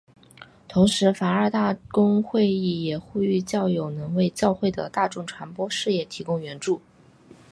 同时梵二大公会议也呼吁教友能为教会的大众传播事业提供援助。